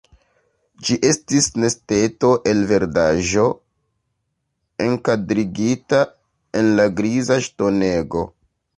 Ĝi estis nesteto el verdaĵo, enkadrigita en la griza ŝtonego.